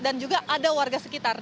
juga ada warga sekitar